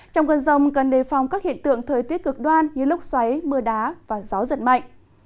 trong cơn rông cần đề phòng các hiện tượng thời tiết cực đoan như lốc xoáy mưa đá và gió giật mạnh